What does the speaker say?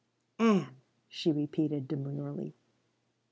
_" "Ann," she repeated demurely.